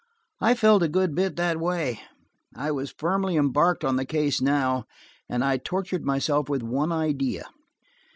I felt a good bit that way; I was firmly embarked on the case now, and I tortured myself with one idea.